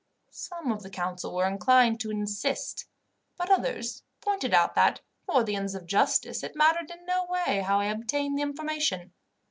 "Some of the council were inclined to insist, but others pointed out that, for the ends of justice, it mattered in no way how I obtained the information.